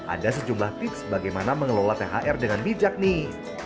ada sejumlah tips bagaimana mengelola thr dengan bijak nih